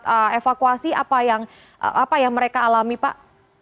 proses evakuasi apa yang mereka alami pak